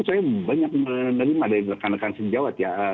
saya banyak menerima dari rekan rekan sejawat ya